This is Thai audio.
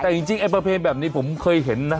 แต่จริงไอ้ประเพณแบบนี้ผมเคยเห็นนะ